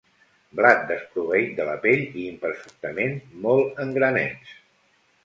Blat desproveït de la pell i imperfectament mòlt en granets.